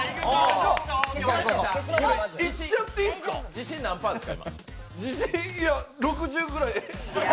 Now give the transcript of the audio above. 自信何パーですか？